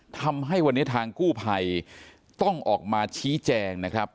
ทำให้วันนี้ทางกู้ภัยต้องออกมาชี้แจงนะครับ